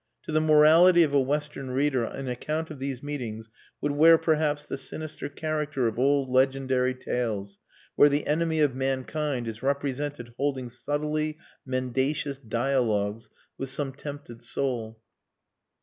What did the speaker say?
To the morality of a Western reader an account of these meetings would wear perhaps the sinister character of old legendary tales where the Enemy of Mankind is represented holding subtly mendacious dialogues with some tempted soul.